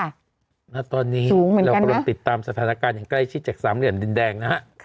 ณตอนนี้เรากำลังติดตามสถานการณ์อย่างใกล้ชิดจากสามเหลี่ยมดินแดงนะฮะ